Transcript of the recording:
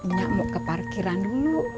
minyak mau ke parkiran dulu